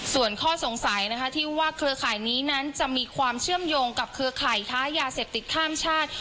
ส่วนข้อสงสัยนะคะที่ว่าเครือข่ายนี้นั้นจะมีความเชื่อมโยงกับเครือข่ายค้ายาเสพติดข้ามชาติ